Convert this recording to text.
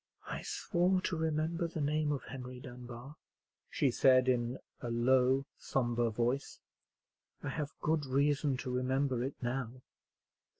"I swore to remember the name of Henry Dunbar," she said in, a low, sombre voice; "I have good reason to remember it now."